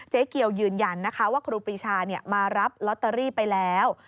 เจ๊เกียวยืนยันนะคะว่าครูปรีชามารับลอตเตอรี่ไปแล้ว